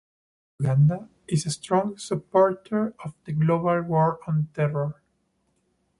Uganda is a strong supporter of the Global War on Terror.